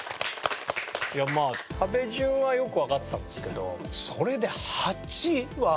いやまあ食べ順はよくわかったんですけどそれで８は。